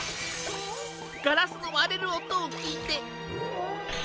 ・ガラスのわれるおとをきいて。